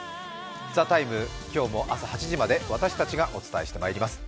「ＴＨＥＴＩＭＥ，」、今日も朝８時まで私たちがお伝えしてまいります。